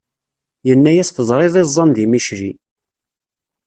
Yenna-yas teẓriḍ iẓẓan di Micli!